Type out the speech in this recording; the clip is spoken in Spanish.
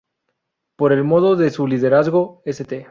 Por el modo de su liderazgo, St.